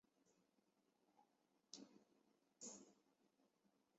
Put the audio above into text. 也是名大学讲师做动画专业教学。